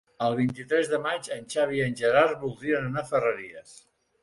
El vint-i-tres de maig en Xavi i en Gerard voldrien anar a Ferreries.